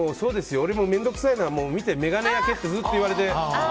俺も面倒くさいのが眼鏡焼けってずっと言われて。